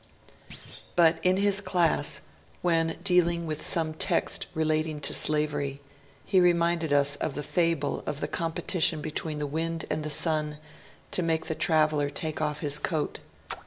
^^ But in his class, when dealing with some text relating to slavery, he reminded us of the fable of the competition be tween the Wind and the Sun to make the traveller take off his coat.